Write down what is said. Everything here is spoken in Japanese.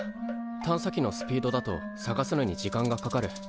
探査機のスピードだと探すのに時間がかかる。